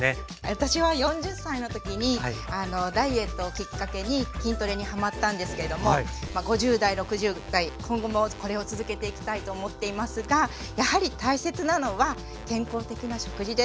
私は４０歳の時にダイエットをきっかけに筋トレにハマったんですけども５０代６０代今後もこれを続けていきたいと思っていますがやはり大切なのは健康的な食事です。